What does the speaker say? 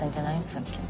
さっきの。